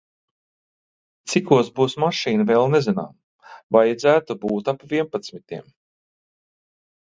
Cikos būs mašīna vēl nezinām, vajadzētu būt ap vienpadsmitiem.